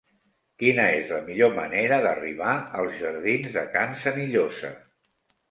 Quina és la millor manera d'arribar als jardins de Can Senillosa?